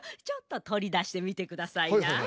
ちょっととりだしてみてくださいな。